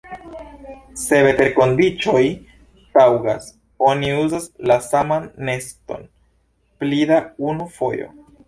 Se veterkondiĉoj taŭgas, oni uzas la saman neston pli da unu fojo.